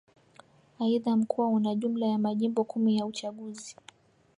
Aidha Mkoa una jumla ya Majimbo kumi ya uchaguzi